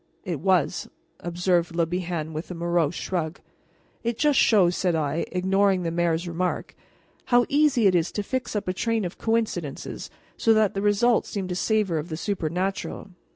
"It was," observed Le Bihan with a morose shrug. "It just shows," said I, ignoring the mayor's remark, "how easy it is to fix up a train of coincidences so that the result seems to savor of the supernatural.